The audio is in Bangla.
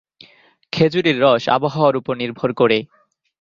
খেজুরের রস আবহাওয়ার উপর নির্ভর করে।